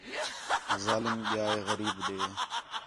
ظالم ڳیا ہِے غریب ݙے